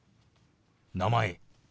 「名前」。